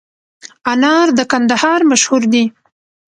انار د کندهار مشهور دي